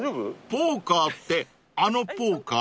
［ポーカーってあのポーカー？］